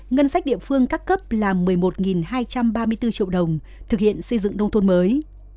ngân sách địa phương các cấp là một mươi một hai trăm ba mươi bốn triệu đồng thực hiện xây dựng nông thôn mới